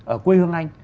ở quê hương anh